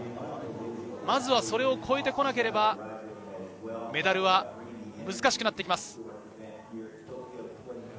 まずはそれを超えてこなければ、メダルは難しくなります。